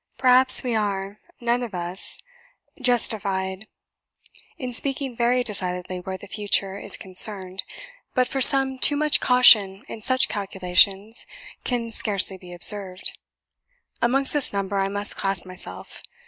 Perhaps we are none of us justified in speaking very decidedly where the future is concerned; but for some too much caution in such calculations can scarcely be observed: amongst this number I must class myself.